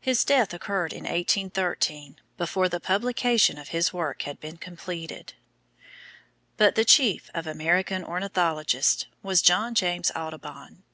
His death occurred in 1813, before the publication of his work had been completed. But the chief of American ornithologists was John James Audubon.